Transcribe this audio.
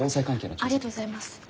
ありがとうございます。